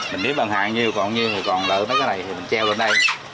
mình biết bằng hàng nhiều còn nhiều thì còn lợi mấy cái này thì mình treo lên đây